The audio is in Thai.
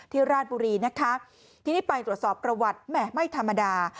ราชบุรีนะคะทีนี้ไปตรวจสอบประวัติแหม่ไม่ธรรมดา